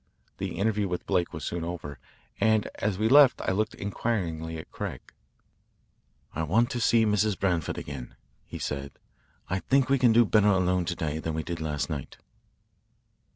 The interview with Blake was soon over, and as we left I looked inquiringly at Craig. "I want to see Mrs. Branford again," he said. "I think we can do better alone to day than we did last night."